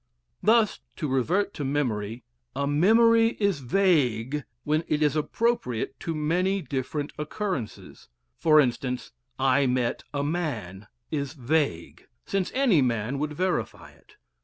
Thus to revert to memory: A memory is "vague" when it is appropriate to many different occurrences: for instance, "I met a man" is vague, since any man would verify it.